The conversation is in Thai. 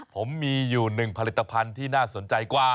ผมมีอยู่๑ผลิตภัณฑ์ที่น่าสนใจกว่า